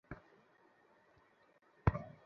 কী যেন নাম?